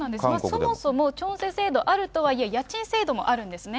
そもそもチョンセ制度あるとはいえ、家賃制度もあるんですね。